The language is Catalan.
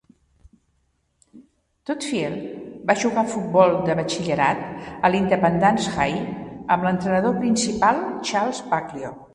Toefield va jugar a futbol de batxillerat a l'Independence High, amb l'entrenador principal Charles Baglio.